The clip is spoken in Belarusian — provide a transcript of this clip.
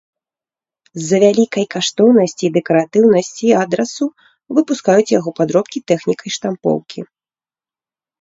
З-за вялікай каштоўнасці і дэкаратыўнасці адрасу выпускаюць яго падробкі тэхнікай штампоўкі.